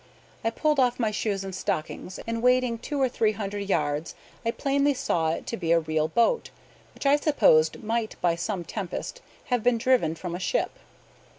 I pulled off my shoes and stockings, and wading two or three hundred yards, I plainly saw it to be a real boat, which I supposed might by some tempest have been driven from a ship.